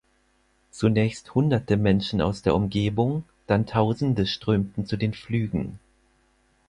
Zunächst hunderte Menschen aus der Umgebung, dann Tausende strömten zu den Flügen.